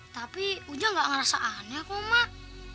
tapi ujang gak ngerasa aneh kok mak